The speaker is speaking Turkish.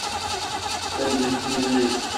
Bence gitmeliyiz.